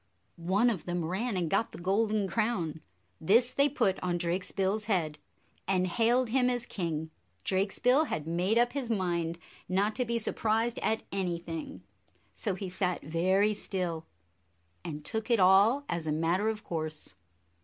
One of them ran and got the golden crown. This they put on Drakesbill's head and hailed him as king. Drakesbill had made up his mind not to be surprised at anything, so he sat very still, and took it all as a matter of course.